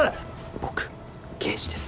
僕刑事です。